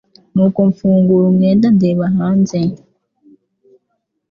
nuko mfungura umwenda ndeba hanze